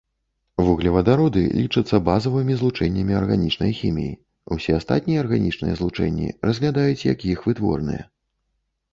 Вуглевадароды лічацца базавымі злучэннямі арганічнай хіміі, усе астатнія арганічныя злучэнні разглядаюць як іх вытворныя.